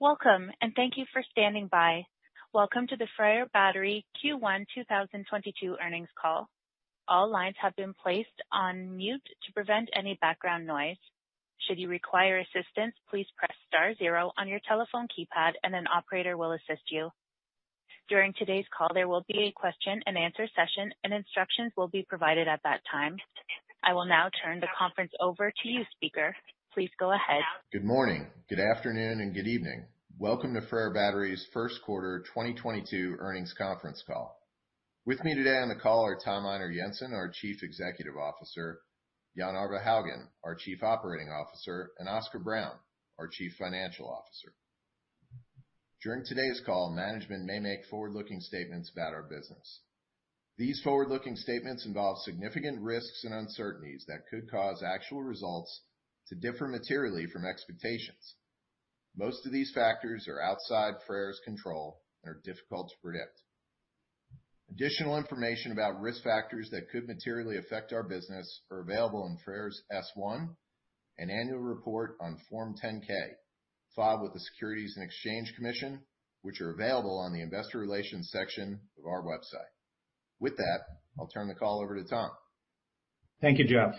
Welcome, and thank you for standing by. Welcome to the FREYR Battery Q1 2022 earnings call. All lines have been placed on mute to prevent any background noise. Should you require assistance, please press star zero on your telephone keypad and an operator will assist you. During today's call, there will be a question and answer session, and instructions will be provided at that time. I will now turn the conference over to you, speaker. Please go ahead. Good morning, good afternoon, and good evening. Welcome to FREYR Battery's Q1 2022 earnings conference call. With me today on the call are Tom Einar Jensen, our Chief Executive Officer, Jan Arve Haugan, our Chief Operating Officer, and Oscar Brown, our Chief Financial Officer. During today's call, management may make forward-looking statements about our business. These forward-looking statements involve significant risks and uncertainties that could cause actual results to differ materially from expectations. Most of these factors are outside FREYR's control and are difficult to predict. Additional information about risk factors that could materially affect our business are available in FREYR's S-1 and annual report on Form 10-K, filed with the Securities and Exchange Commission, which are available on the investor relations section of our website. With that, I'll turn the call over to Tom. Thank you, Jeff.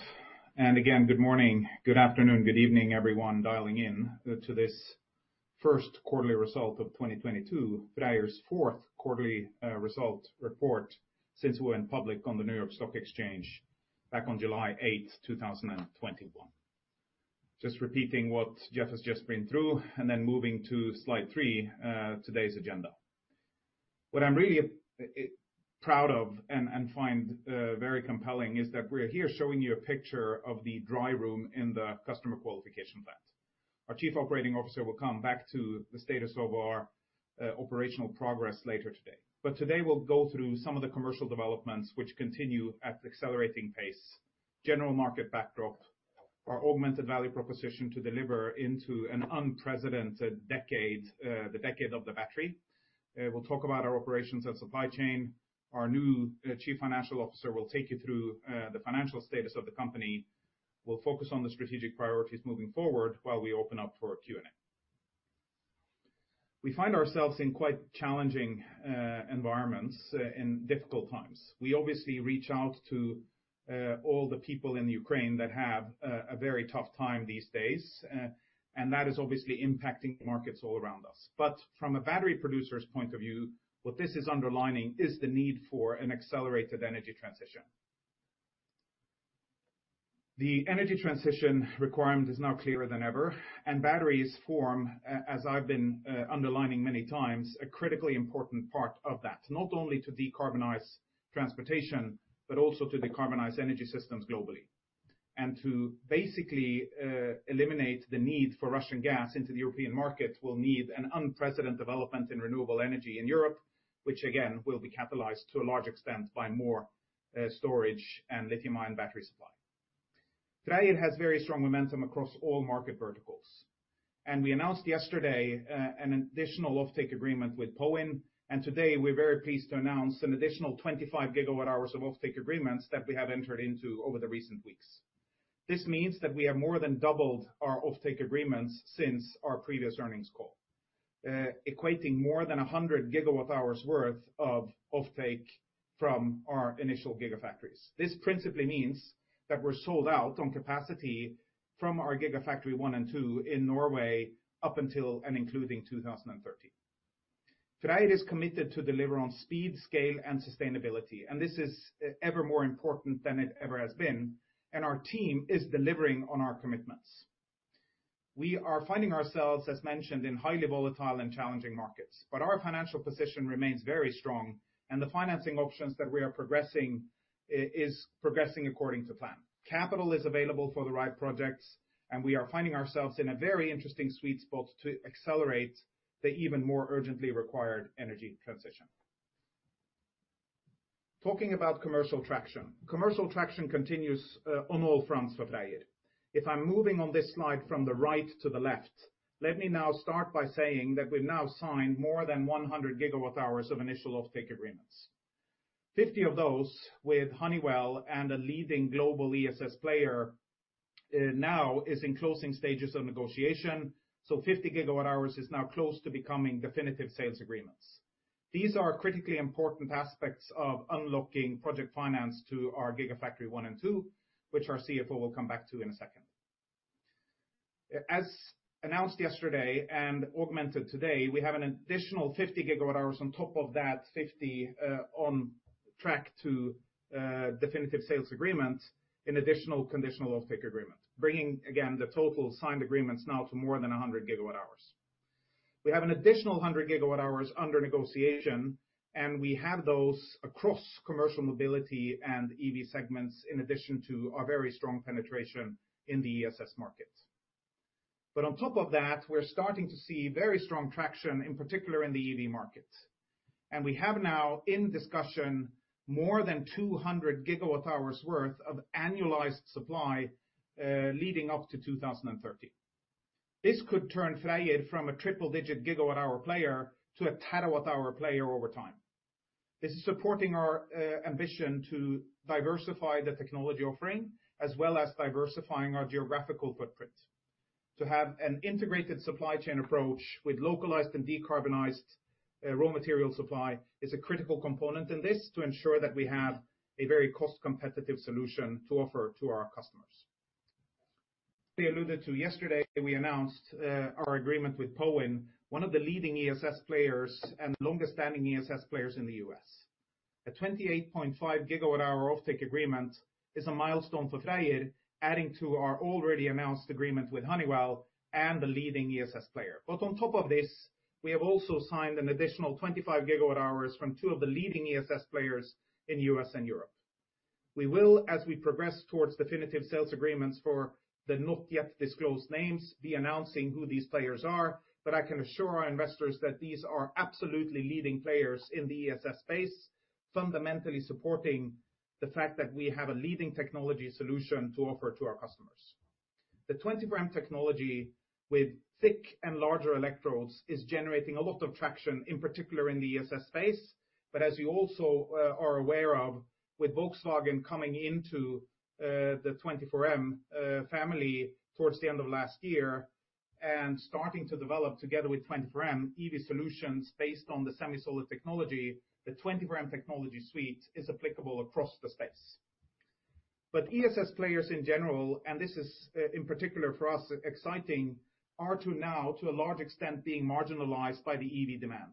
Again, good morning, good afternoon, good evening, everyone dialing in to this first quarterly result of 2022, FREYR's fourth quarterly result report since we went public on the New York Stock Exchange back on July 8, 2021. Just repeating what Jeff has just been through and then moving to slide three, today's agenda. What I'm really proud of and find very compelling is that we're here showing you a picture of the dry room in the customer qualification plant. Our Chief Operating Officer will come back to the status of our operational progress later today. Today we'll go through some of the commercial developments which continue at accelerating pace, general market backdrop, our augmented value proposition to deliver into an unprecedented decade, the decade of the battery. We'll talk about our operations and supply chain. Our new Chief Financial Officer will take you through the financial status of the company. We'll focus on the strategic priorities moving forward while we open up for Q&A. We find ourselves in quite challenging environments in difficult times. We obviously reach out to all the people in Ukraine that have a very tough time these days. That is obviously impacting markets all around us. From a battery producer's point of view, what this is underlining is the need for an accelerated energy transition. The energy transition requirement is now clearer than ever, and batteries form, as I've been underlining many times, a critically important part of that. Not only to decarbonize transportation, but also to decarbonize energy systems globally. To basically eliminate the need for Russian gas into the European market will need an unprecedented development in renewable energy in Europe, which again, will be capitalized to a large extent by more storage and lithium-ion battery supply. Freyr has very strong momentum across all market verticals. We announced yesterday an additional offtake agreement with Powin, and today we're very pleased to announce an additional 25 GW-hours of offtake agreements that we have entered into over the recent weeks. This means that we have more than doubled our offtake agreements since our previous earnings call, equating more than 100 GW-hours worth of offtake from our initial gigafactories. This principally means that we're sold out on capacity from our Gigafactory one and two in Norway up until and including 2030. Freyr is committed to deliver on speed, scale, and sustainability, and this is ever more important than it ever has been, and our team is delivering on our commitments. We are finding ourselves, as mentioned, in highly volatile and challenging markets, but our financial position remains very strong, and the financing options that we are progressing is progressing according to plan. Capital is available for the right projects, and we are finding ourselves in a very interesting sweet spot to accelerate the even more urgently required energy transition. Talking about commercial traction. Commercial traction continues on all fronts for Freyr. If I'm moving on this slide from the right to the left, let me now start by saying that we've now signed more than 100 GW-hours of initial offtake agreements. 50 of those with Honeywell and a leading global ESS player, now in closing stages of negotiation. 50 GW-hours is now close to becoming definitive sales agreements. These are critically important aspects of unlocking project finance to our Gigafactory one and two, which our CFO will come back to in a second. As announced yesterday and augmented today, we have an additional 50 GW-hours on top of that 50, on track to definitive sales agreement, an additional conditional offtake agreement. Bringing, again, the total signed agreements now to more than 100 GW-hours. We have an additional 100 GW-hours under negotiation, and we have those across commercial mobility and EV segments, in addition to our very strong penetration in the ESS market. On top of that, we're starting to see very strong traction, in particular in the EV market. We have now in discussion more than 200 GW-hours worth of annualized supply, leading up to 2030. This could turn Freyr from a triple-digit gigawatt-hour player to a terawatt-hour player over time. This is supporting our ambition to diversify the technology offering, as well as diversifying our geographical footprint. To have an integrated supply chain approach with localized and decarbonized raw material supply is a critical component in this to ensure that we have a very cost-competitive solution to offer to our customers. We alluded to yesterday, we announced our agreement with Powin, one of the leading ESS players and longest standing ESS players in the U.S. A 28.5 GW-hour offtake agreement is a milestone for Freyr, adding to our already announced agreement with Honeywell and the leading ESS player. On top of this, we have also signed an additional 25 GW-hours from two of the leading ESS players in U.S. and Europe. We will, as we progress towards definitive sales agreements for the not yet disclosed names, be announcing who these players are, but I can assure our investors that these are absolutely leading players in the ESS space, fundamentally supporting the fact that we have a leading technology solution to offer to our customers. The 24M technology with thick and larger electrodes is generating a lot of traction, in particular in the ESS space. As you also are aware of, with Volkswagen coming into the 24M family towards the end of last year and starting to develop together with 24M EV solutions based on the SemiSolid technology, the 24M technology suite is applicable across the space. ESS players in general, and this is in particular for us exciting, are too now, to a large extent, being marginalized by the EV demand.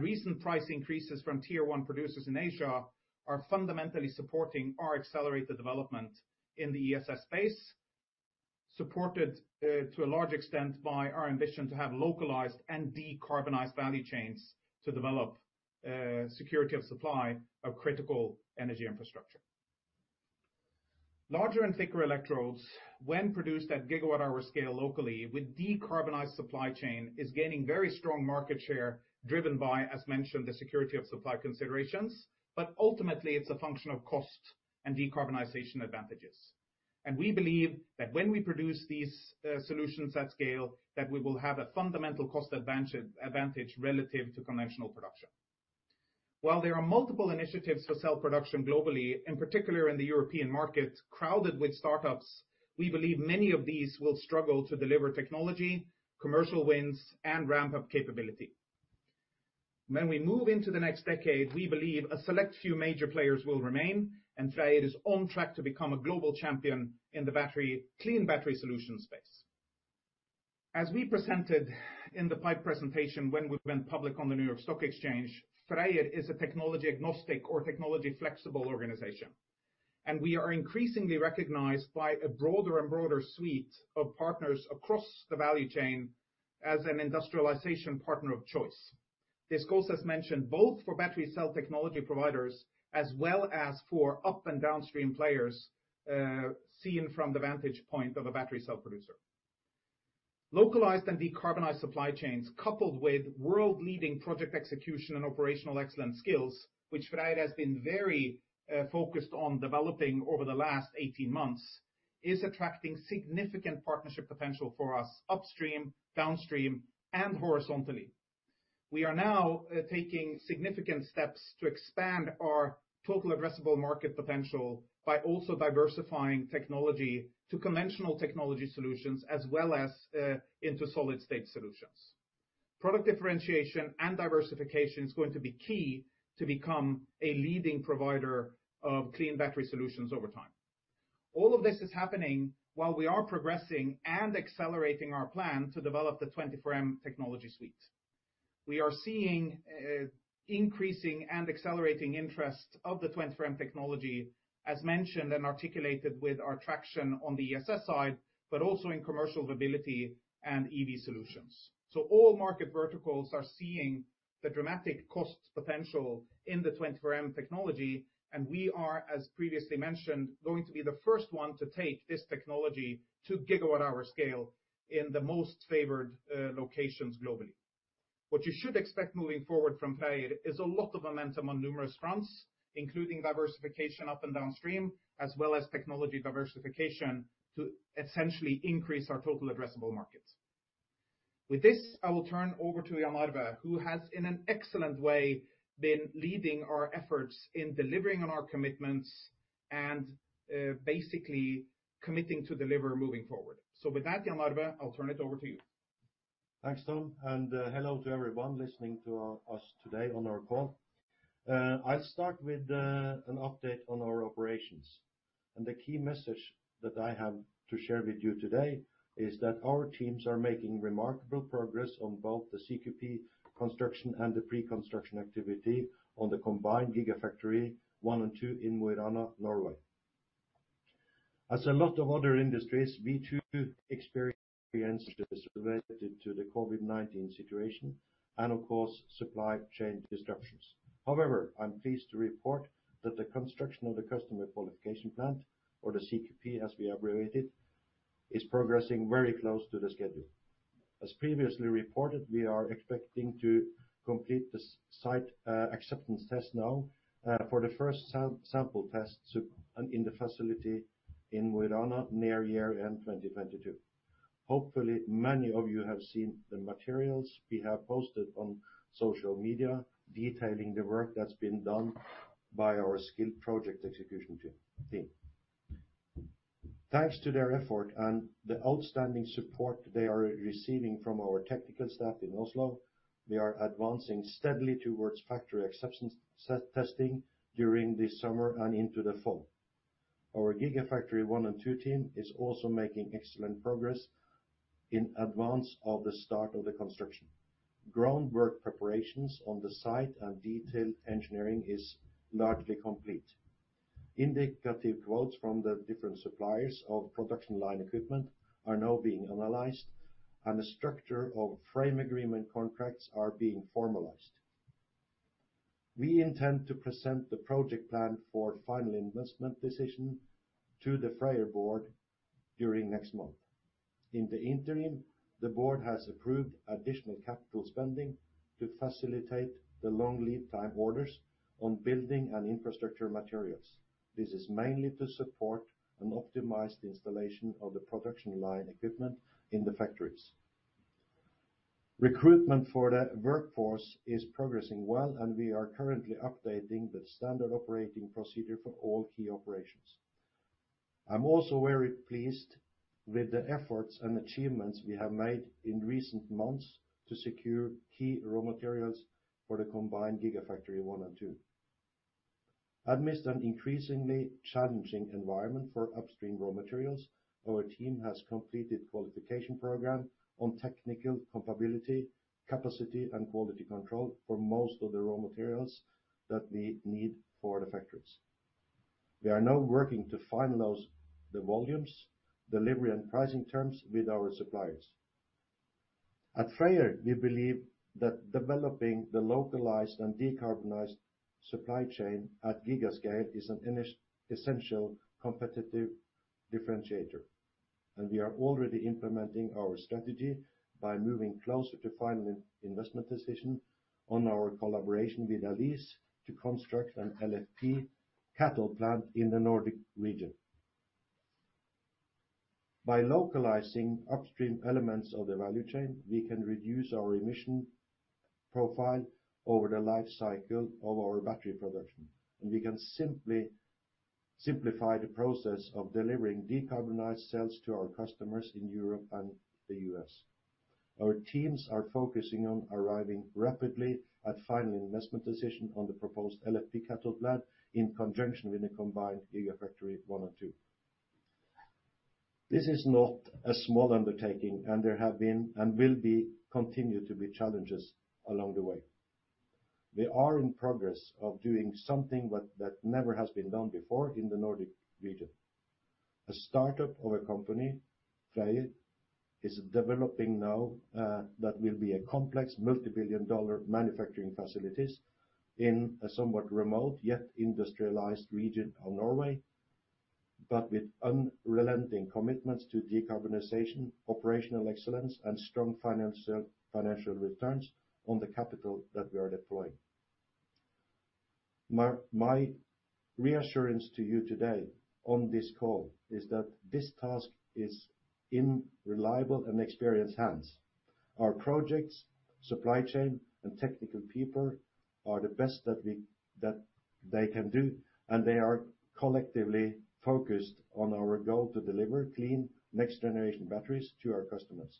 Recent price increases from Tier one producers in Asia are fundamentally supporting our accelerated development in the ESS space, supported to a large extent by our ambition to have localized and decarbonized value chains to develop security of supply of critical energy infrastructure. Larger and thicker electrodes, when produced at gigawatt hour scale locally with decarbonized supply chain, is gaining very strong market share driven by, as mentioned, the security of supply considerations, but ultimately it's a function of cost and decarbonization advantages. We believe that when we produce these solutions at scale, that we will have a fundamental cost advantage relative to conventional production. While there are multiple initiatives for cell production globally, in particular in the European market, crowded with startups, we believe many of these will struggle to deliver technology, commercial wins, and ramp-up capability. When we move into the next decade, we believe a select few major players will remain, and Freyr is on track to become a global champion in the battery, clean battery solution space. As we presented in the PIPE presentation when we went public on the New York Stock Exchange, Freyr is a technology agnostic or technology flexible organization, and we are increasingly recognized by a broader and broader suite of partners across the value chain as an industrialization partner of choice. This goes, as mentioned, both for battery cell technology providers as well as for up- and downstream players, seen from the vantage point of a battery cell producer. Localized and decarbonized supply chains coupled with world-leading project execution and operational excellence skills, which Freyr has been very focused on developing over the last 18 months, is attracting significant partnership potential for us upstream, downstream, and horizontally. We are now taking significant steps to expand our total addressable market potential by also diversifying technology to conventional technology solutions as well as into solid-state solutions. Product differentiation and diversification is going to be key to become a leading provider of clean battery solutions over time. All of this is happening while we are progressing and accelerating our plan to develop the 24M technology suite. We are seeing increasing and accelerating interest of the 24M technology, as mentioned and articulated with our traction on the ESS side, but also in commercial mobility and EV solutions. All market verticals are seeing the dramatic cost potential in the 24M technology, and we are, as previously mentioned, going to be the first one to take this technology to gigawatt-hour scale in the most favored locations globally. What you should expect moving forward from FREYR is a lot of momentum on numerous fronts, including diversification up and downstream, as well as technology diversification to essentially increase our total addressable markets. With this, I will turn over to Jan Arve, who has, in an excellent way, been leading our efforts in delivering on our commitments and basically committing to deliver moving forward. With that, Jan Arve, I'll turn it over to you. Thanks, Tom, and hello to everyone listening to us today on our call. I'll start with an update on our operations. The key message that I have to share with you today is that our teams are making remarkable progress on both the CQP construction and the preconstruction activity on the combined Gigafactory one and two in Mo i Rana, Norway. As a lot of other industries, we too experienced related to the COVID-19 situation and, of course, supply chain disruptions. However, I'm pleased to report that the construction of the customer qualification plant, or the CQP as we abbreviate it, is progressing very close to the schedule. As previously reported, we are expecting to complete the site acceptance test now for the first sample test soon in the facility in Mo i Rana near year-end 2022. Hopefully, many of you have seen the materials we have posted on social media detailing the work that's been done by our skilled project execution team. Thanks to their effort and the outstanding support they are receiving from our technical staff in Oslo, we are advancing steadily towards factory acceptance testing during the summer and into the fall. Our Gigafactory 1 and 2 team is also making excellent progress in advance of the start of the construction. Groundwork preparations on the site and detailed engineering is largely complete. Indicative quotes from the different suppliers of production line equipment are now being analyzed, and the structure of framework agreement contracts are being formalized. We intend to present the project plan for final investment decision to the FREYR board during next month. In the interim, the board has approved additional capital spending to facilitate the long lead time orders on building and infrastructure materials. This is mainly to support and optimize the installation of the production line equipment in the factories. Recruitment for the workforce is progressing well, and we are currently updating the standard operating procedure for all key operations. I'm also very pleased with the efforts and achievements we have made in recent months to secure key raw materials for the combined Gigafactory one and two. Amidst an increasingly challenging environment for upstream raw materials, our team has completed qualification program on technical comparability, capacity, and quality control for most of the raw materials that we need for the factories. We are now working to finalize the volumes, delivery, and pricing terms with our suppliers. At FREYR, we believe that developing the localized and decarbonized supply chain at giga scale is an essential competitive differentiator, and we are already implementing our strategy by moving closer to final investment decision on our collaboration with Aleees to construct an LFP cathode plant in the Nordic region. By localizing upstream elements of the value chain, we can reduce our emission profile over the life cycle of our battery production, and we can simplify the process of delivering decarbonized cells to our customers in Europe and the US. Our teams are focusing on arriving rapidly at final investment decision on the proposed LFP cathode plant in conjunction with a combined Gigafactory 1 and 2. This is not a small undertaking, and there have been and will be, continue to be challenges along the way. We are in progress of doing something that never has been done before in the Nordic region. The startup of a company, FREYR, is developing now that will be a complex, multi-billion dollar manufacturing facilities in a somewhat remote, yet industrialized region of Norway, but with unrelenting commitments to decarbonization, operational excellence, and strong financial returns on the capital that we are deploying. My reassurance to you today on this call is that this task is in reliable and experienced hands. Our projects, supply chain, and technical people are the best that they can do, and they are collectively focused on our goal to deliver clean next generation batteries to our customers.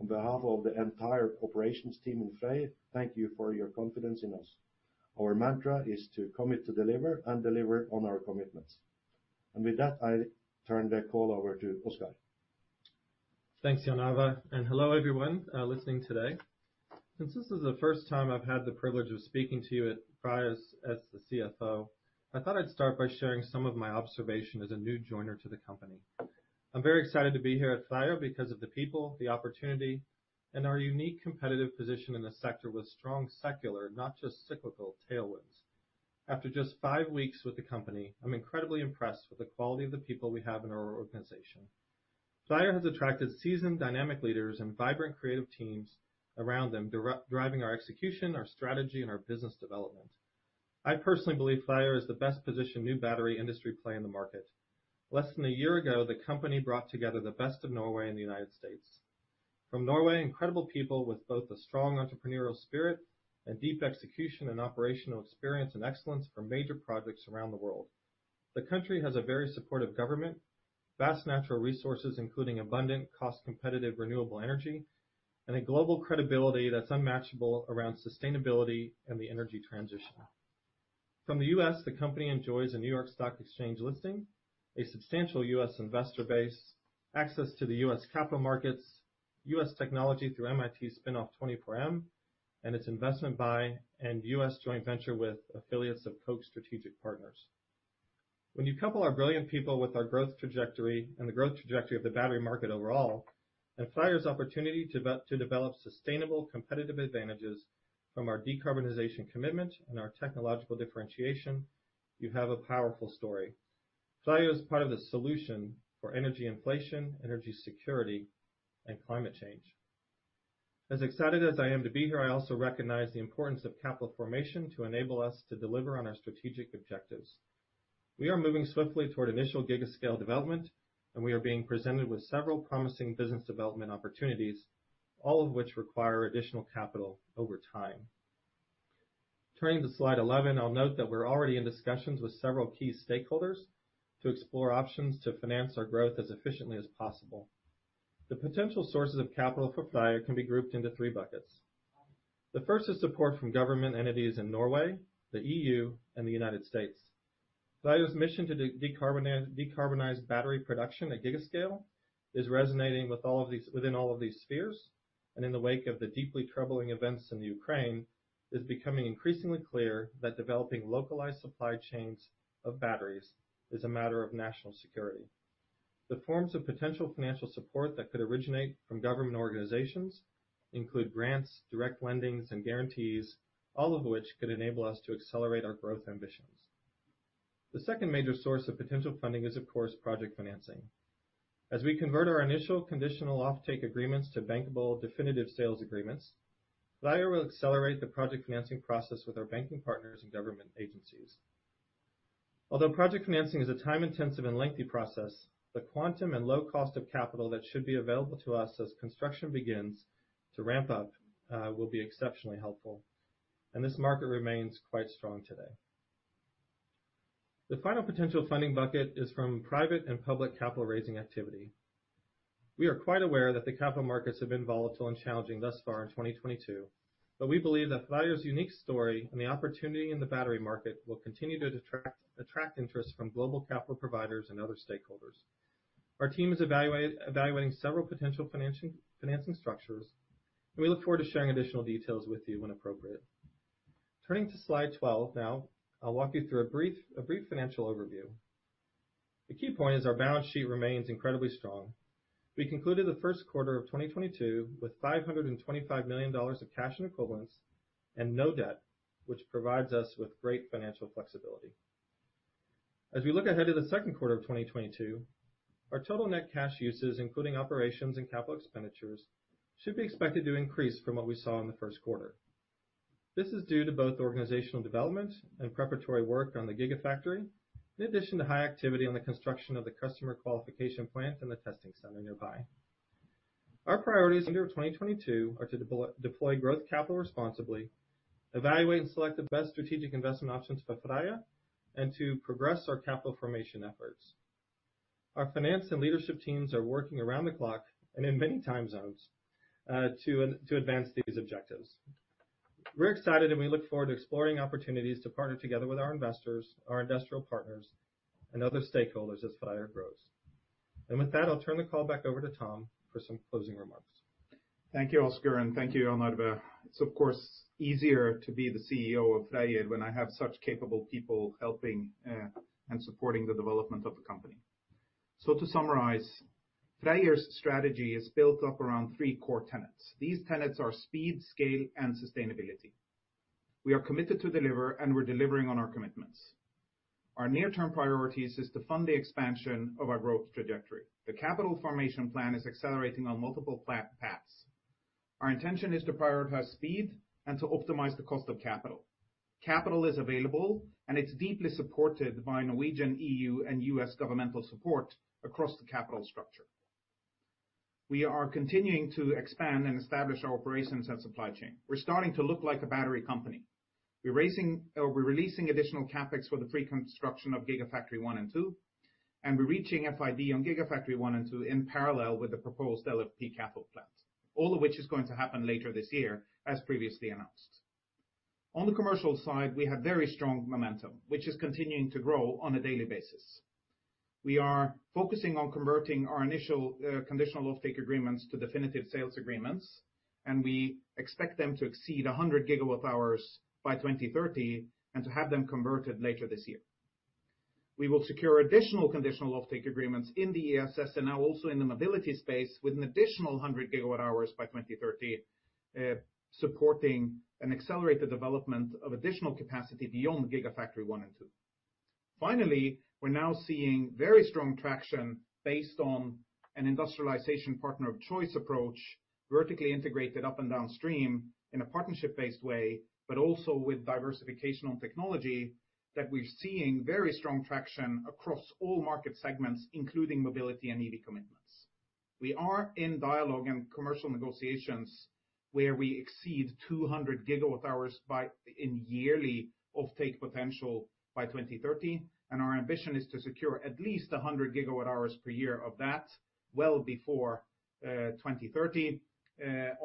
On behalf of the entire operations team in FREYR, thank you for your confidence in us. Our mantra is to commit to deliver and deliver on our commitments. With that, I turn the call over to Oscar. Thanks, Jan Arve, and hello, everyone, listening today. Since this is the first time I've had the privilege of speaking to you at FREYR as the CFO, I thought I'd start by sharing some of my observation as a new joiner to the company. I'm very excited to be here at FREYR because of the people, the opportunity, and our unique competitive position in the sector with strong secular, not just cyclical tailwinds. After just five weeks with the company, I'm incredibly impressed with the quality of the people we have in our organization. FREYR has attracted seasoned dynamic leaders and vibrant creative teams around them, driving our execution, our strategy, and our business development. I personally believe FREYR is the best positioned new battery industry play in the market. Less than a year ago, the company brought together the best of Norway and the United States. From Norway, incredible people with both a strong entrepreneurial spirit and deep execution and operational experience and excellence from major projects around the world. The country has a very supportive government, vast natural resources, including abundant, cost-competitive, renewable energy, and a global credibility that's unmatchable around sustainability and the energy transition. From the U.S., the company enjoys a New York Stock Exchange listing, a substantial U.S. investor base, access to the U.S. capital markets, U.S. technology through MIT spin-off 24M, and its investment by and U.S. joint venture with affiliates of Koch Strategic Platforms. When you couple our brilliant people with our growth trajectory and the growth trajectory of the battery market overall, and FREYR's opportunity to develop sustainable competitive advantages from our decarbonization commitment and our technological differentiation, you have a powerful story. FREYR is part of the solution for energy inflation, energy security, and climate change. As excited as I am to be here, I also recognize the importance of capital formation to enable us to deliver on our strategic objectives. We are moving swiftly toward initial gigascale development, and we are being presented with several promising business development opportunities, all of which require additional capital over time. Turning to slide 11, I'll note that we're already in discussions with several key stakeholders to explore options to finance our growth as efficiently as possible. The potential sources of capital for FREYR can be grouped into three buckets. The first is support from government entities in Norway, the EU, and the United States. FREYR's mission to decarbonize battery production at gigascale is resonating with all of these, within all of these spheres, and in the wake of the deeply troubling events in Ukraine, is becoming increasingly clear that developing localized supply chains of batteries is a matter of national security. The forms of potential financial support that could originate from government organizations include grants, direct lending, and guarantees, all of which could enable us to accelerate our growth ambitions. The second major source of potential funding is, of course, project financing. As we convert our initial conditional offtake agreements to bankable definitive sales agreements, FREYR will accelerate the project financing process with our banking partners and government agencies. Although project financing is a time-intensive and lengthy process, the quantum and low cost of capital that should be available to us as construction begins to ramp up will be exceptionally helpful, and this market remains quite strong today. The final potential funding bucket is from private and public capital raising activity. We are quite aware that the capital markets have been volatile and challenging thus far in 2022, but we believe that FREYR's unique story and the opportunity in the battery market will continue to attract interest from global capital providers and other stakeholders. Our team is evaluating several potential financing structures, and we look forward to sharing additional details with you when appropriate. Turning to slide 12 now, I'll walk you through a brief financial overview. The key point is our balance sheet remains incredibly strong. We concluded the Q1 of 2022 with $525 million of cash equivalents and no debt, which provides us with great financial flexibility. As we look ahead to the Q2 of 2022, our total net cash uses, including operations and capital expenditures, should be expected to increase from what we saw in the Q1. This is due to both organizational development and preparatory work on the gigafactory, in addition to high activity on the construction of the customer qualification plant and the testing center nearby. Our priorities in 2022 are to deploy growth capital responsibly, evaluate and select the best strategic investment options for FREYR, and to progress our capital formation efforts. Our finance and leadership teams are working around the clock, and in many time zones, to advance these objectives. We're excited and we look forward to exploring opportunities to partner together with our investors, our industrial partners, and other stakeholders as FREYR grows. With that, I'll turn the call back over to Tom for some closing remarks. Thank you, Oscar, and thank you, Jan Arve Haugan. It's of course easier to be the CEO of FREYR when I have such capable people helping and supporting the development of the company. To summarize, FREYR's strategy is built up around three core tenets. These tenets are speed, scale, and sustainability. We are committed to deliver, and we're delivering on our commitments. Our near-term priorities is to fund the expansion of our growth trajectory. The capital formation plan is accelerating on multiple paths. Our intention is to prioritize speed and to optimize the cost of capital. Capital is available, and it's deeply supported by Norwegian, E.U., and U.S. governmental support across the capital structure. We are continuing to expand and establish our operations and supply chain. We're starting to look like a battery company. We're releasing additional CapEx for the pre-construction of Gigafactory one and two, and we're reaching FID on Gigafactory one and two in parallel with the proposed LFP cathode plant, all of which is going to happen later this year, as previously announced. On the commercial side, we have very strong momentum, which is continuing to grow on a daily basis. We are focusing on converting our initial conditional offtake agreements to definitive sales agreements, and we expect them to exceed 100 gigawatt-hours by 2030, and to have them converted later this year. We will secure additional conditional offtake agreements in the ESS and now also in the mobility space with an additional 100 GW-hours by 2030, supporting an accelerated development of additional capacity beyond Gigafactory one and two. Finally, we're now seeing very strong traction based on an industrialization partner of choice approach, vertically integrated up and downstream in a partnership-based way, but also with diversification on technology that we're seeing very strong traction across all market segments, including mobility and EV commitments. We are in dialogue and commercial negotiations where we exceed 200 GW-hours in yearly offtake potential by 2030, and our ambition is to secure at least 100 GW-hours per year of that well before 2030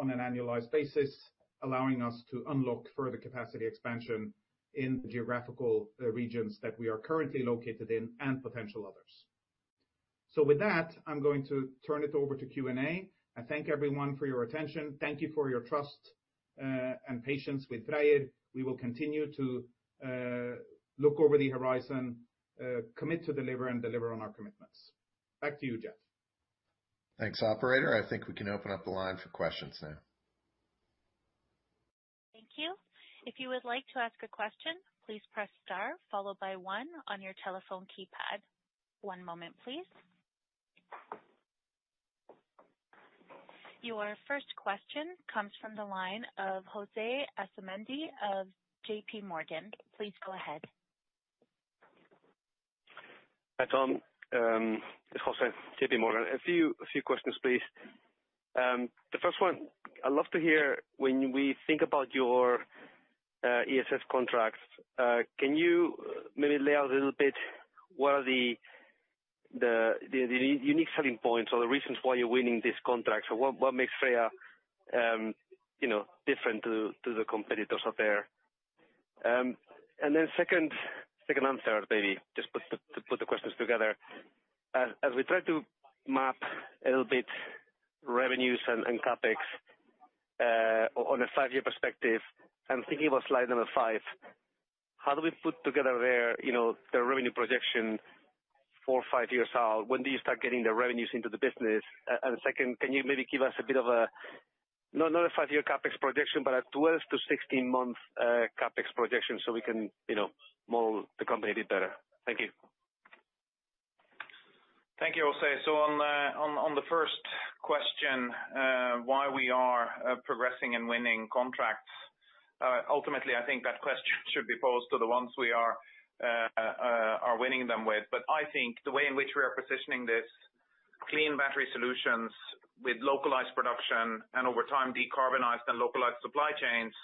on an annualized basis, allowing us to unlock further capacity expansion in the geographical regions that we are currently located in and potential others. With that, I'm going to turn it over to Q&A. I thank everyone for your attention. Thank you for your trust and patience with FREYR. We will continue to look over the horizon, commit to deliver, and deliver on our commitments. Back to you, Jeff. Thanks, operator. I think we can open up the line for questions now. Thank you. If you would like to ask a question, please press star followed by one on your telephone keypad. One moment please. Your first question comes from the line of Jose Asumendi of JPMorgan. Please go ahead. Hi, Tom. It's Jose Asumendi, JPMorgan. A few questions, please. The first one, I'd love to hear when we think about your ESS contracts, can you maybe lay out a little bit what are the unique selling points or the reasons why you're winning these contracts? So what makes FREYR, you know, different to the competitors out there? And then second answer, maybe just put to put the questions together. As we try to map a little bit revenues and CapEx on a five-year perspective, I'm thinking about slide number five. How do we put together their, you know, their revenue projection four or five years out? When do you start getting the revenues into the business? And second, can you maybe give us a bit of a. Not a five-year CapEx projection, but a 12- to 16-month CapEx projection so we can, you know, mold the company a bit better. Thank you. Thank you, Jose. On the first question, why we are progressing and winning contracts, ultimately, I think that question should be posed to the ones we are winning them with. I think the way in which we are positioning this clean battery solutions with localized production and over time decarbonized and localized supply chains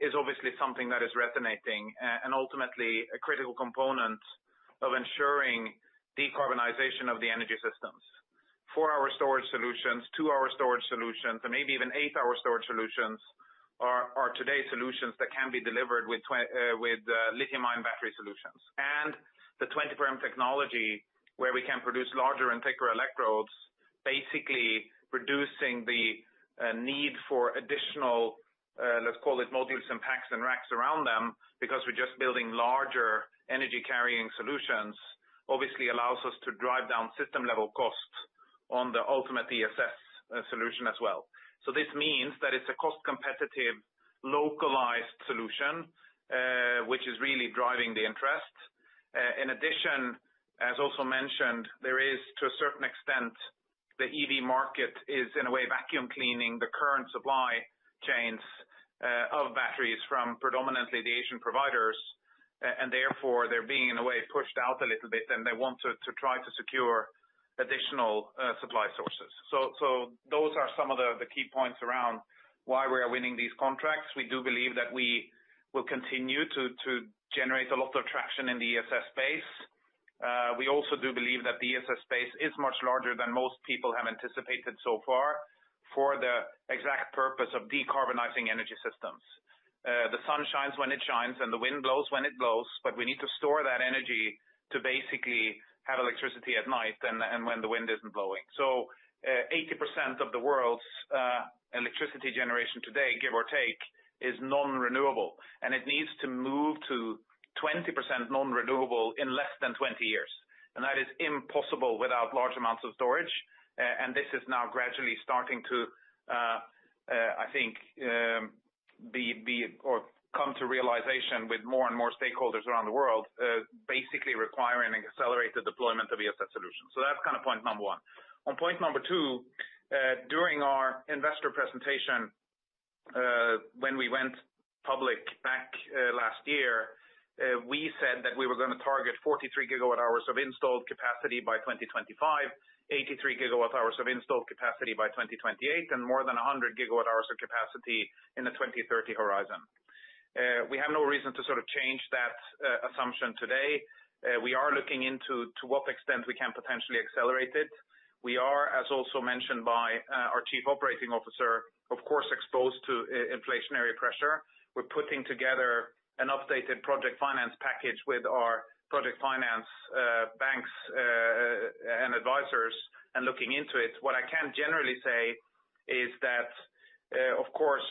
is obviously something that is resonating, and ultimately a critical component of ensuring decarbonization of the energy systems. four-hour storage solutions, two-hour storage solutions, and maybe even eight-hour storage solutions are today's solutions that can be delivered with lithium-ion battery solutions. The 24M technology, where we can produce larger and thicker electrodes, basically reducing the need for additional, let's call it modules and packs and racks around them, because we're just building larger energy carrying solutions, obviously allows us to drive down system level costs on the ultimate ESS solution as well. This means that it's a cost competitive, localized solution, which is really driving the interest. In addition, as also mentioned, there is, to a certain extent, the EV market is in a way vacuuming the current supply chains of batteries from predominantly the Asian providers. And therefore, they're being, in a way, pushed out a little bit, and they want to try to secure additional supply sources. Those are some of the key points around why we are winning these contracts. We do believe that we will continue to generate a lot of traction in the ESS space. We also do believe that the ESS space is much larger than most people have anticipated so far for the exact purpose of decarbonizing energy systems. The sun shines when it shines and the wind blows when it blows, but we need to store that energy to basically have electricity at night and when the wind isn't blowing. Eighty percent of the world's electricity generation today, give or take, is non-renewable, and it needs to move to 20% non-renewable in less than 20 years. That is impossible without large amounts of storage. This is now gradually starting to come to realization with more and more stakeholders around the world, basically requiring accelerated deployment of ESS solutions. That's kind of point number one. On point number two, during our investor presentation, when we went public back last year, we said that we were gonna target 43 GW-hours of installed capacity by 2025, 83 GW-hours of installed capacity by 2028, and more than 100 GW-hours of capacity in the 2030 horizon. We have no reason to sort of change that assumption today. We are looking into what extent we can potentially accelerate it. We are, as also mentioned by our chief operating officer, of course, exposed to inflationary pressure. We're putting together an updated project finance package with our project finance banks and advisors and looking into it. What I can generally say is that, of course,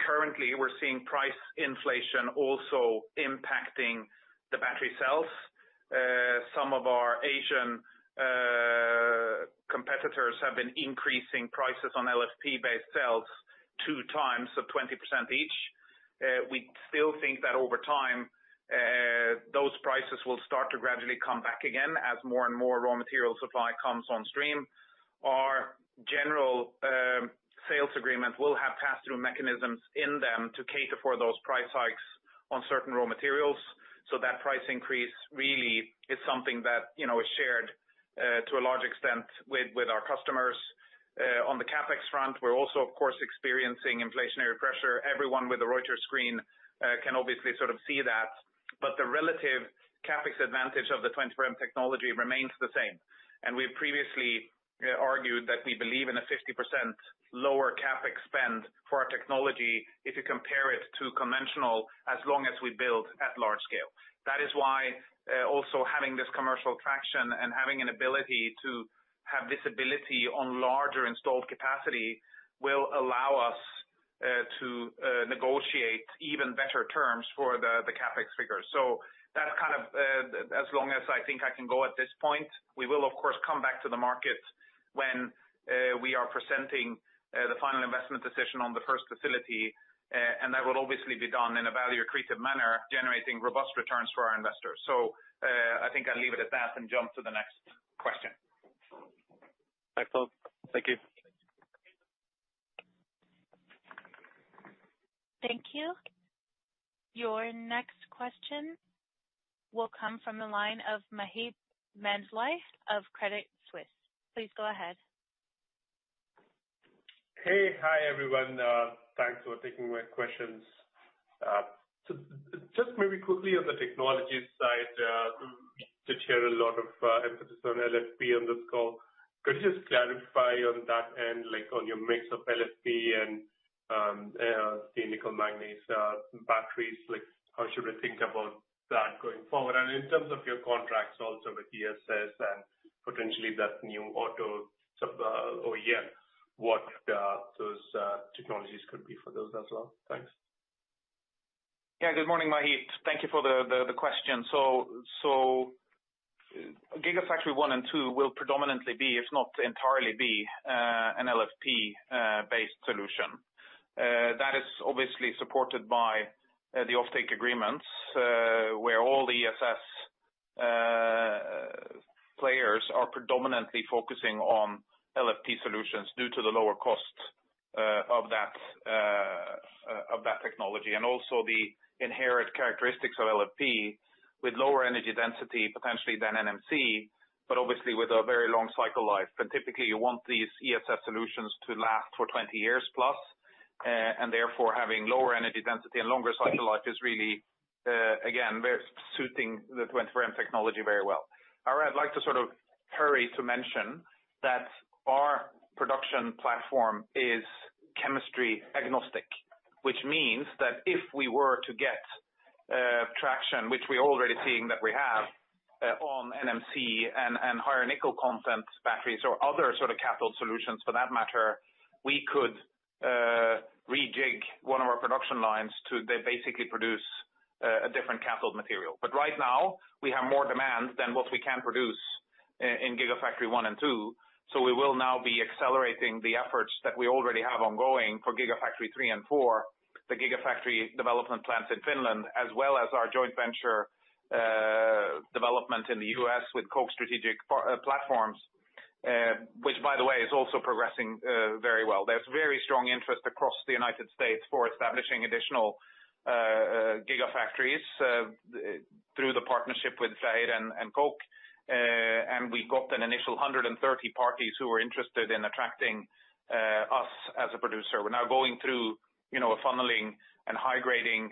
currently we're seeing price inflation also impacting the battery cells. Some of our Asian competitors have been increasing prices on LFP-based cells 2x, so 20% each. We still think that over time, those prices will start to gradually come back again as more and more raw material supply comes on stream. Our general sales agreement will have pass-through mechanisms in them to cater for those price hikes on certain raw materials. That price increase really is something that, you know, is shared to a large extent with our customers. On the CapEx front, we're also, of course, experiencing inflationary pressure. Everyone with a Reuters screen can obviously sort of see that, but the relative CapEx advantage of the 24M technology remains the same. We've previously argued that we believe in a 50% lower CapEx spend for our technology if you compare it to conventional, as long as we build at large scale. That is why also having this commercial traction and having an ability to have visibility on larger installed capacity will allow us to negotiate even better terms for the CapEx figures. That's kind of as long as I think I can go at this point. We will of course come back to the market when we are presenting the final investment decision on the first facility, and that will obviously be done in a value-accretive manner, generating robust returns for our investors. I think I'll leave it at that and jump to the next question. Thanks, folks. Thank you. Thank you. Your next question will come from the line of Maheep Mandloi of Credit Suisse. Please go ahead. Hey. Hi, everyone. Thanks for taking my questions. Just maybe quickly on the technology side, did hear a lot of emphasis on LFP on this call. Could you just clarify on that and, like, on your mix of LFP and the nickel manganese batteries? Like how should we think about that going forward? In terms of your contracts also with ESS and potentially that new auto OEM, what those technologies could be for those as well? Thanks. Yeah. Good morning, Maheep. Thank you for the question. Gigafactory one and two will predominantly be, if not entirely, an LFP based solution. That is obviously supported by the offtake agreements, where all the ESS players are predominantly focusing on LFP solutions due to the lower cost of that technology and also the inherent characteristics of LFP with lower energy density potentially than NMC, but obviously with a very long cycle life. Typically you want these ESS solutions to last for 20 years plus, and therefore having lower energy density and longer cycle life is really again very suiting the 24M technology very well. However, I'd like to sort of hurry to mention that our production platform is chemistry agnostic, which means that if we were to get traction, which we're already seeing that we have, on NMC and higher nickel content batteries or other sort of cathode solutions for that matter, we could rejig one of our production lines to basically produce a different cathode material. Right now we have more demand than what we can produce in Gigafactory one and two, so we will now be accelerating the efforts that we already have ongoing for Gigafactory three and four, the Gigafactory development plants in Finland, as well as our joint venture development in the U.S. with Koch Strategic Platforms, which by the way is also progressing very well. There's very strong interest across the United States for establishing additional gigafactories through the partnership with FREYR and Koch. We got an initial 130 parties who are interested in attracting us as a producer. We're now going through, you know, a funneling and high-grading,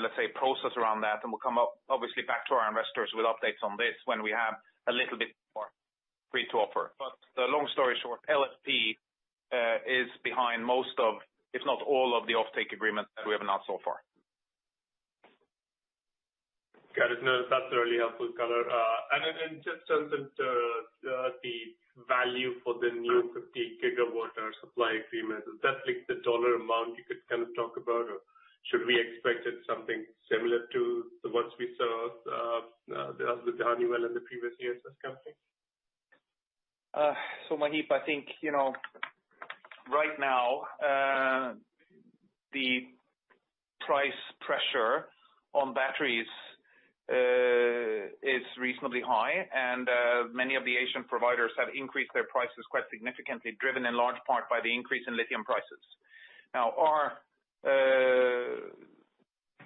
let's say, process around that, and we'll come up obviously back to our investors with updates on this when we have a little bit more free to offer. The long story short, LFP is behind most of, if not all of the offtake agreements that we have announced so far. Got it. No, that's a really helpful color. Just in terms of the value for the new 50 GW-hour supply agreement, is that like the dollar amount you could kind of talk about, or should we expect something similar to the ones we saw with Honeywell in the previous years as company? Maheep, I think, you know, right now, the price pressure on batteries is reasonably high, and many of the Asian providers have increased their prices quite significantly, driven in large part by the increase in lithium prices. Now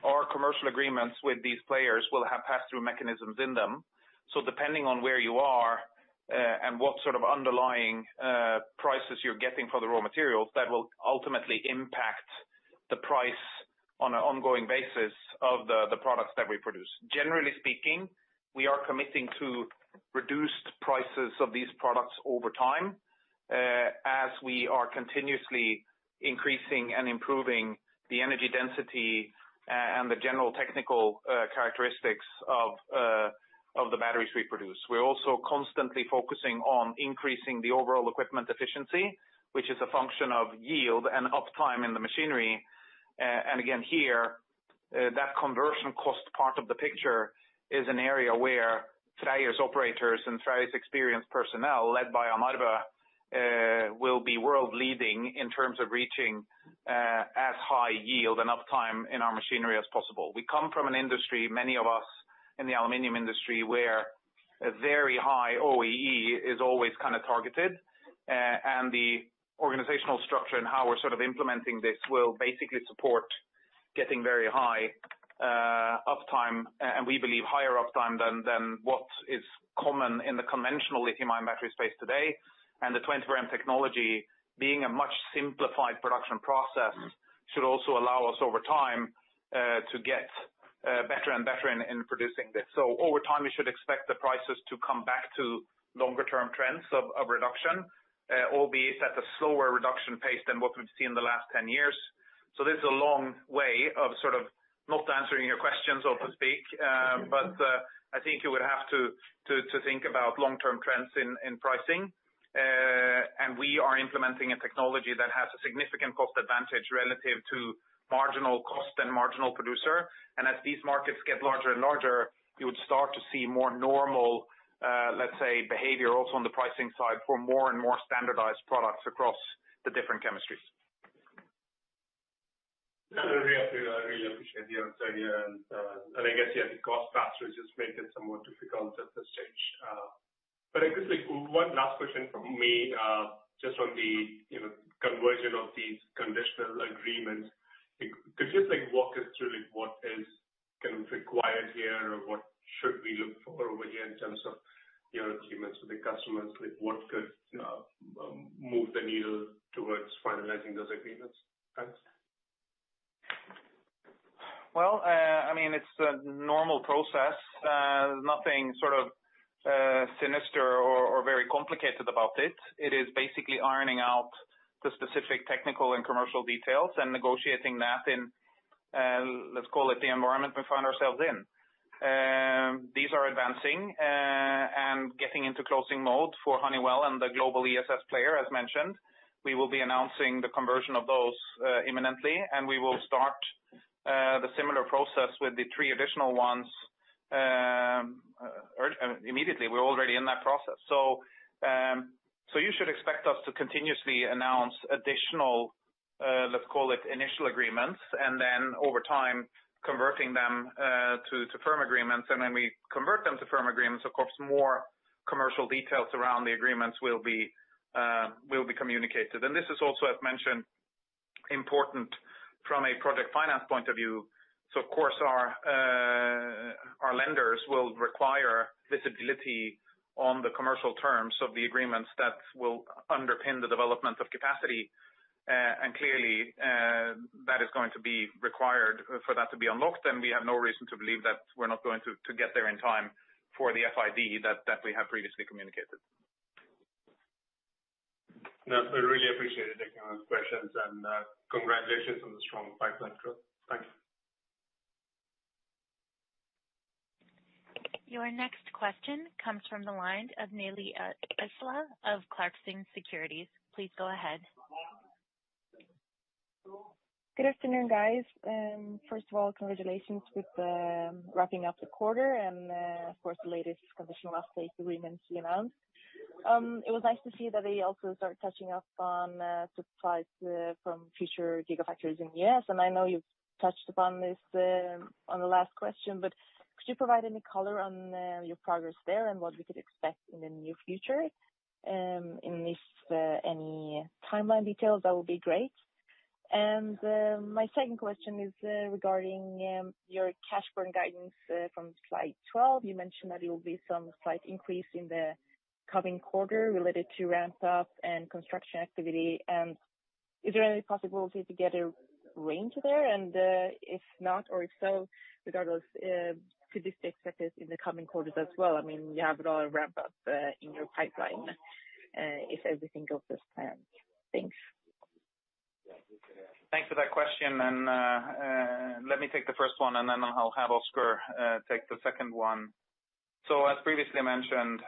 our commercial agreements with these players will have pass-through mechanisms in them, so depending on where you are and what sort of underlying prices you're getting for the raw materials, that will ultimately impact the price on an ongoing basis of the products that we produce. Generally speaking, we are committing to reduced prices of these products over time, as we are continuously increasing and improving the energy density and the general technical characteristics of the batteries we produce. We're also constantly focusing on increasing the overall equipment efficiency, which is a function of yield and uptime in the machinery. Again here, that conversion cost part of the picture is an area where FREYR's operators and FREYR's experienced personnel led by Jan Arve will be world-leading in terms of reaching as high yield and uptime in our machinery as possible. We come from an industry, many of us in the aluminum industry, where a very high OEE is always kind of targeted, and the organizational structure and how we're sort of implementing this will basically support getting very high uptime and we believe higher uptime than what is common in the conventional lithium-ion battery space today. The 24M technology being a much simplified production process should also allow us over time to get better and better in producing this. Over time you should expect the prices to come back to longer term trends of reduction, albeit at a slower reduction pace than what we've seen in the last 10 years. This is a long way of sort of not answering your questions, so to speak, but I think you would have to think about long-term trends in pricing. We are implementing a technology that has a significant cost advantage relative to marginal cost and marginal producer. As these markets get larger and larger, you would start to see more normal, let's say, behavior also on the pricing side for more and more standardized products across the different chemistries. No, I really appreciate the answer here. I guess, yeah, the cost factors just make it somewhat difficult at this stage. I guess, like one last question from me, just on the, you know, conversion of these conditional agreements. Could you just, like, walk us through, like, what is kind of required here or what should we look for over here in terms of, you know, agreements with the customers? Like, what could move the needle towards finalizing those agreements? Thanks. Well, I mean, it's a normal process. Nothing sort of sinister or very complicated about it. It is basically ironing out the specific technical and commercial details and negotiating that in, let's call it the environment we find ourselves in. These are advancing and getting into closing mode for Honeywell and the global ESS player, as mentioned. We will be announcing the conversion of those imminently, and we will start the similar process with the three additional ones immediately. We're already in that process. You should expect us to continuously announce additional, let's call it initial agreements, and then over time, converting them to firm agreements. When we convert them to firm agreements, of course, more commercial details around the agreements will be communicated. This is also, I've mentioned, important from a project finance point of view. Of course our lenders will require visibility on the commercial terms of the agreements that will underpin the development of capacity. Clearly, that is going to be required for that to be unlocked. We have no reason to believe that we're not going to get there in time for the FID that we have previously communicated. No, I really appreciate it, taking all those questions, and, congratulations on the strong pipeline growth. Thank you. Your next question comes from the line of Nili Eslah of Clarksons Securities. Please go ahead. Good afternoon, guys. First of all, congratulations with wrapping up the quarter and, of course, the latest conditional offtake agreements you announced. It was nice to see that they also start touching up on supplies from future gigafactories in U.S. I know you've touched upon this on the last question, but could you provide any color on your progress there and what we could expect in the near future, in this any timeline details, that would be great. My second question is regarding your cash burn guidance from slide 12. You mentioned that there will be some slight increase in the coming quarter related to ramp up and construction activity. Is there any possibility to get a range there? If not, or if so, would all those could this be expected in the coming quarters as well? I mean, you have it all ramp up in your pipeline if everything goes as planned. Thanks. Thanks for that question. Let me take the first one, and then I'll have Oscar take the second one. As previously mentioned,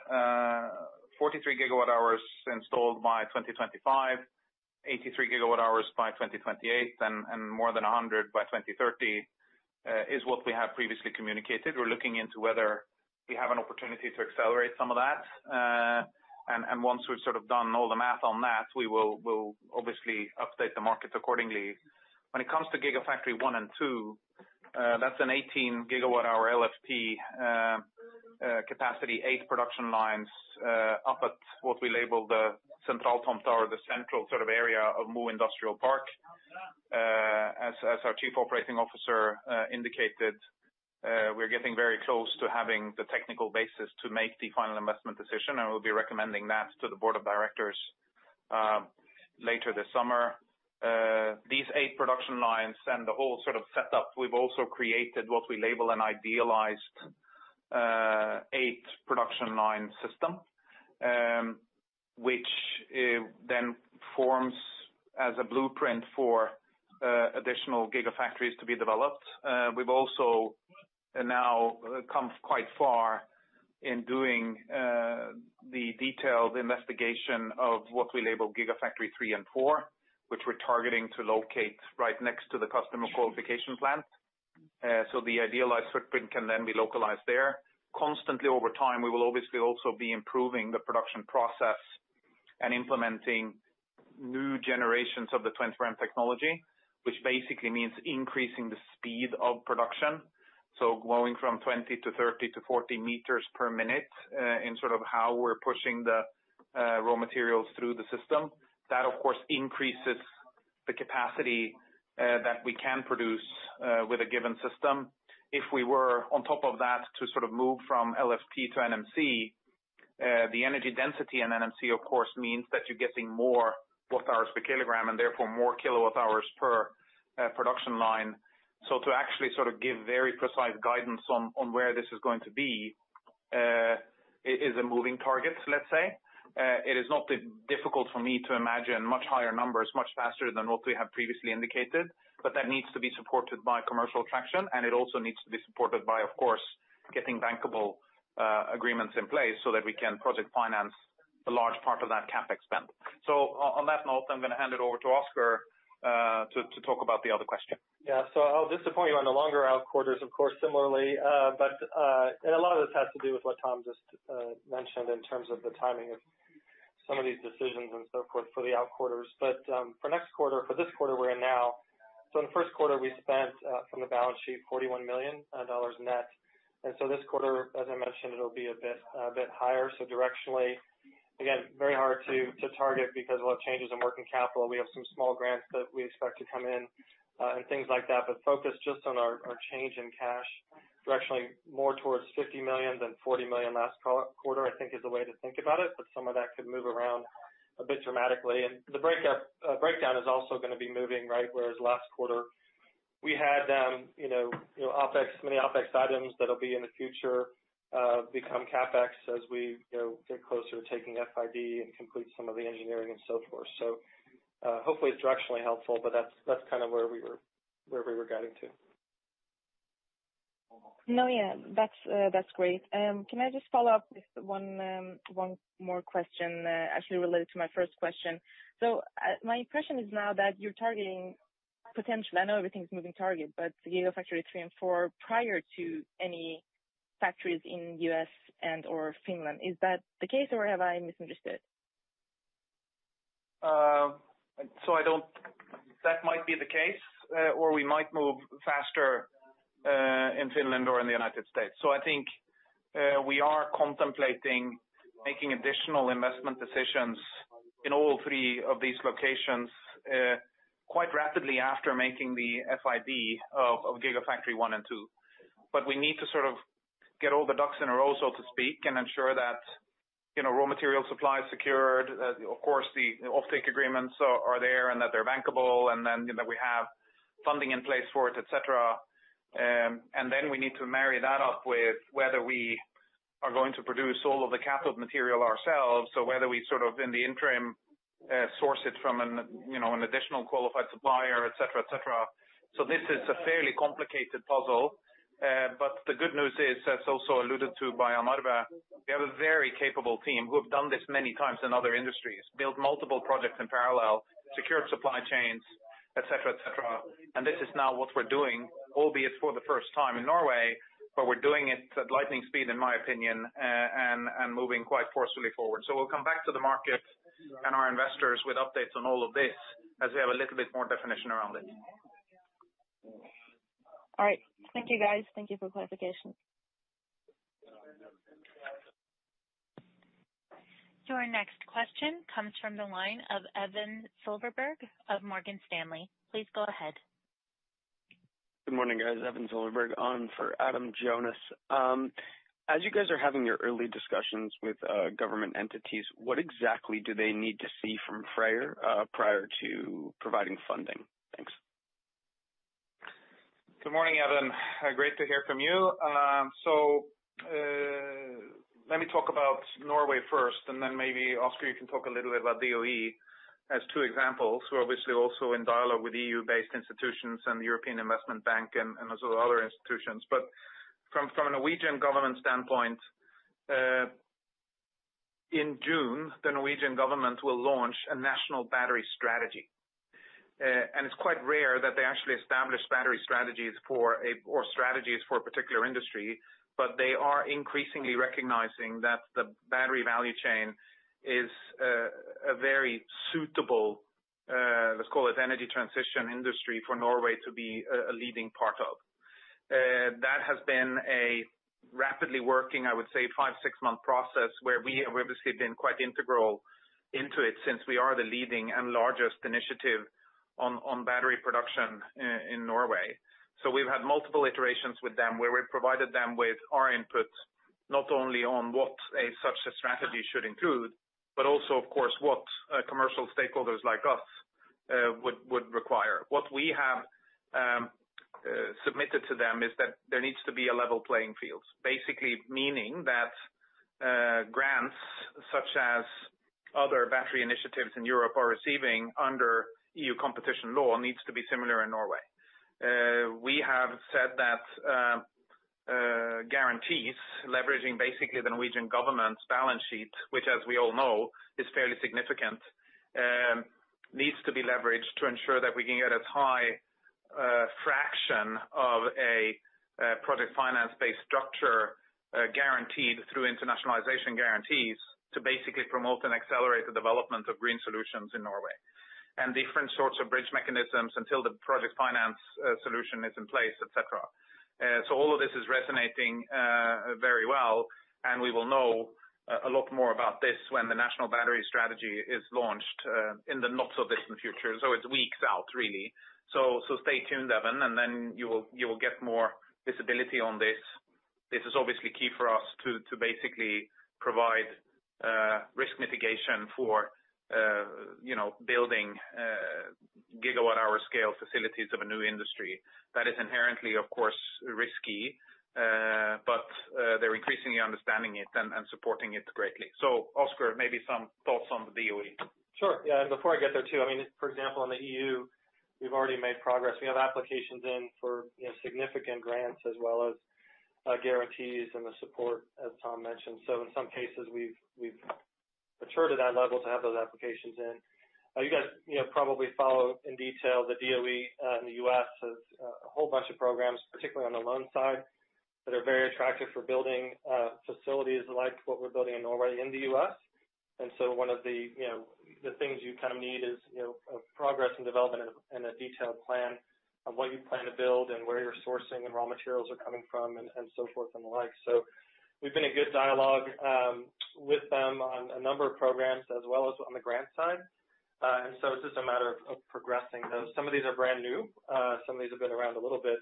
43 GW-hours installed by 2025, 83 GW-hours by 2028, and more than 100 by 2030 is what we have previously communicated. We're looking into whether we have an opportunity to accelerate some of that. Once we've sort of done all the math on that, we will obviously update the markets accordingly. When it comes to Gigafactory one and two, that's an 18 GW-hour LFP capacity, eight production lines, up at what we label the Sentraltomta, the central sort of area of Mo Industrial Park. As our Chief Operating Officer indicated, we're getting very close to having the technical basis to make the final investment decision, and we'll be recommending that to the board of directors later this summer. These eight production lines and the whole sort of setup, we've also created what we label an idealized eight production line system, which then forms as a blueprint for additional gigafactories to be developed. We've also now come quite far in doing the detailed investigation of what we label Gigafactory three and four, which we're targeting to locate right next to the Customer Qualification Plant. The idealized footprint can then be localized there. Constantly over time, we will obviously also be improving the production process and implementing new generations of the Twin Frame technology, which basically means increasing the speed of production. Going from 20 to 30 to 40 meters per minute in sort of how we're pushing the raw materials through the system. That, of course, increases the capacity that we can produce with a given system. If we were on top of that to sort of move from LFP to NMC, the energy density in NMC of course means that you're getting more watt-hours per kilogram and therefore more kilowatt-hours per production line. To actually sort of give very precise guidance on where this is going to be is a moving target, let's say. It is not difficult for me to imagine much higher numbers much faster than what we have previously indicated, but that needs to be supported by commercial traction, and it also needs to be supported by, of course, getting bankable agreements in place so that we can project finance a large part of that CapEx spend. On that note, I'm gonna hand it over to Oscar to talk about the other question. Yeah. I'll disappoint you on the longer out quarters, of course, similarly. A lot of this has to do with what Tom just mentioned in terms of the timing of some of these decisions and so forth for the out quarters. For next quarter, for this quarter we're in now. In the Q1 we spent, from the balance sheet, $41 million net. This quarter, as I mentioned, it'll be a bit higher. Directionally, again, very hard to target because of all the changes in working capital. We have some small grants that we expect to come in, and things like that. Focused just on our change in cash, directionally more towards $50 million than $40 million last quarter, I think is the way to think about it. Some of that could move around a bit dramatically. The breakdown is also gonna be moving, right? Whereas last quarter we had, you know, OpEx, many OpEx items that'll be in the future, become CapEx as we, you know, get closer to taking FID and complete some of the engineering and so forth. Hopefully it's directionally helpful, but that's kind of where we were getting to. No, yeah, that's great. Can I just follow up with one more question, actually related to my first question. My impression is now that you're targeting potentially, I know everything's a moving target, but the Gigafactory three and four prior to any factories in U.S. and/or Finland, is that the case, or have I misunderstood? That might be the case, or we might move faster in Finland or in the United States. I think we are contemplating making additional investment decisions in all three of these locations quite rapidly after making the FID of Gigafactory One and Two. We need to sort of get all the ducks in a row, so to speak, and ensure that, you know, raw material supply is secured, of course the offtake agreements are there and that they're bankable, and then, you know, that we have funding in place for it, et cetera. We need to marry that up with whether we are going to produce all of the cathode material ourselves, so whether we sort of in the interim source it from an, you know, an additional qualified supplier, et cetera, et cetera. This is a fairly complicated puzzle. The good news is, as also alluded to by Jan Arve, we have a very capable team who have done this many times in other industries, built multiple projects in parallel, secured supply chains, et cetera, et cetera. This is now what we're doing, albeit for the first time in Norway, but we're doing it at lightning speed, in my opinion, and moving quite forcefully forward. We'll come back to the market and our investors with updates on all of this as we have a little bit more definition around it. All right. Thank you guys. Thank you for clarification. Your next question comes from the line of Evan Silverberg of Morgan Stanley. Please go ahead. Good morning, guys. Evan Silverberg on for Adam Jonas. As you guys are having your early discussions with government entities, what exactly do they need to see from FREYR, prior to providing funding? Thanks. Good morning, Evan. Great to hear from you. Let me talk about Norway first and then maybe, Oscar, you can talk a little bit about DOE as two examples. We're obviously also in dialogue with EU-based institutions and the European Investment Bank and there's other institutions. From a Norwegian government standpoint, in June, the Norwegian government will launch a national battery strategy. It's quite rare that they actually establish battery strategies or strategies for a particular industry, but they are increasingly recognizing that the battery value chain is a very suitable, let's call it energy transition industry for Norway to be a leading part of. That has been a rapidly working, I would say, five-six-month process where we have obviously been quite integral into it since we are the leading and largest initiative on battery production in Norway. We've had multiple iterations with them where we've provided them with our input, not only on what such a strategy should include, but also, of course, what commercial stakeholders like us would require. What we have submitted to them is that there needs to be a level playing field. Basically meaning that grants such as other battery initiatives in Europe are receiving under E.U. competition law needs to be similar in Norway. We have said that guarantees leveraging basically the Norwegian government's balance sheet, which as we all know, is fairly significant, needs to be leveraged to ensure that we can get as high fraction of a project finance-based structure, guaranteed through internationalization guarantees to basically promote and accelerate the development of green solutions in Norway. Different sorts of bridge mechanisms until the project finance solution is in place, et cetera. All of this is resonating very well, and we will know a lot more about this when Norway's Battery Strategy is launched in the not so distant future. It's weeks out, really. Stay tuned, Evan, and then you will get more visibility on this. This is obviously key for us to basically provide risk mitigation for you know building gigawatt-hour scale facilities of a new industry that is inherently of course risky. They're increasingly understanding it and supporting it greatly. Oscar, maybe some thoughts on the DOE. Sure. Yeah. Before I get there too, I mean, for example, in the E.U., we've already made progress. We have applications in for, you know, significant grants as well as, guarantees and the support, as Tom mentioned. In some cases we've matured to that level to have those applications in. You guys, you know, probably follow in detail the DOE in the U.S. has a whole bunch of programs, particularly on the loan side that are very attractive for building facilities like what we're building in Norway in the U.S. One of the, you know, the things you kind of need is, you know, progress and development and a detailed plan of what you plan to build and where your sourcing and raw materials are coming from and so forth and the like. We've been in good dialogue with them on a number of programs as well as on the grant side. It's just a matter of progressing those. Some of these are brand new, some of these have been around a little bit.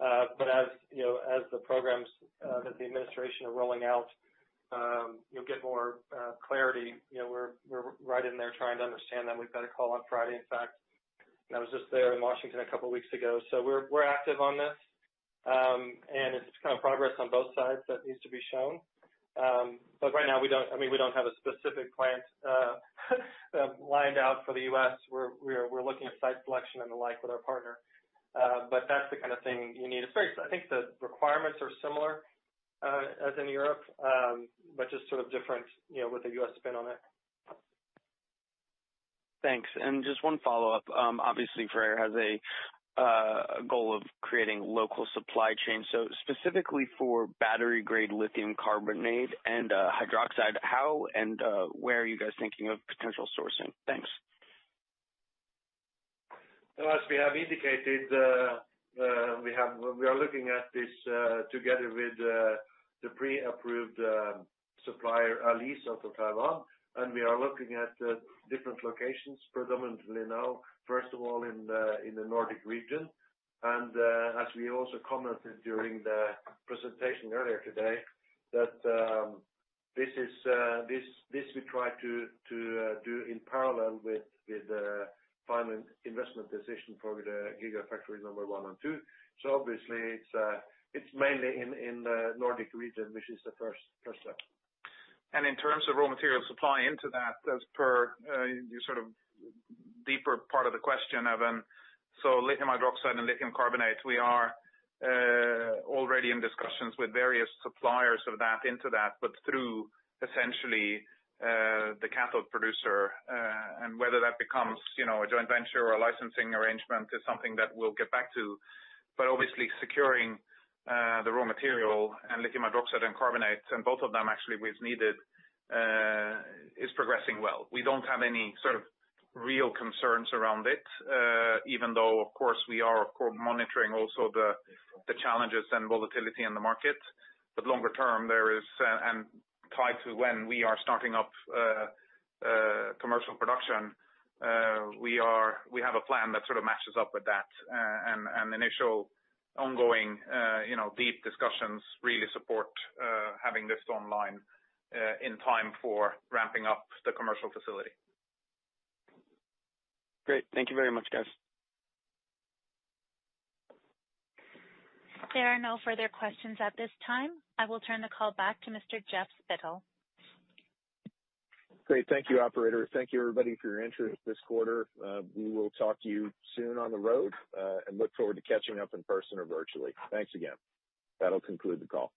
As you know, as the programs that the administration are rolling out, you'll get more clarity. You know, we're right in there trying to understand them. We've got a call on Friday, in fact. I was just there in Washington a couple of weeks ago. We're active on this. It's kind of progress on both sides that needs to be shown. Right now, I mean, we don't have a specific plant lined up for the U.S. We're looking at site selection and the like with our partner. That's the kind of thing you need to face. I think the requirements are similar as in Europe, but just sort of different, you know, with a U.S. spin on it. Thanks. Just one follow-up. Obviously, FREYR has a goal of creating local supply chain. Specifically for battery-grade lithium carbonate and hydroxide, how and where are you guys thinking of potential sourcing? Thanks. As we have indicated, we are looking at this together with the pre-approved supplier, Aleees from Taiwan. We are looking at different locations predominantly now, first of all in the Nordic region. As we also commented during the presentation earlier today, that this we try to do in parallel with final investment decision for the gigafactory number one and two. Obviously it's mainly in the Nordic region, which is the first step. In terms of raw material supply into that, as per your sort of deeper part of the question, Evan. Lithium hydroxide and lithium carbonate, we are already in discussions with various suppliers of that into that, but through essentially the cathode producer, and whether that becomes, you know, a joint venture or a licensing arrangement is something that we'll get back to. Obviously securing the raw material and lithium hydroxide and carbonates, and both of them actually is needed is progressing well. We don't have any sort of real concerns around it, even though of course we are monitoring also the challenges and volatility in the market. Longer term there is and tied to when we are starting up commercial production, we have a plan that sort of matches up with that, and initial ongoing, you know, deep discussions really support having this online in time for ramping up the commercial facility. Great. Thank you very much, guys. There are no further questions at this time. I will turn the call back to Mr. Jeff Spittel. Great. Thank you, operator. Thank you everybody for your interest this quarter. We will talk to you soon on the road, and look forward to catching up in person or virtually. Thanks again. That'll conclude the call.